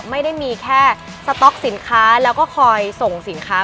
ไม่ได้มีแค่สต๊อกสินค้าแล้วก็คอยส่งสินค้า